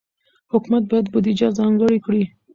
حکومت باید بودجه ځانګړې کړي.